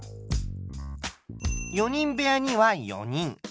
４人部屋には４人。